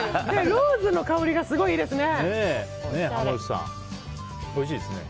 ローズの香りがすごいいいですね。